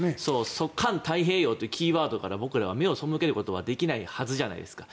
環太平洋というキーワードから僕らは目を背けることはできないはずじゃないですか。